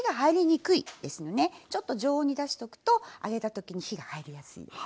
ちょっと常温に出しとくと揚げた時に火が入りやすいです。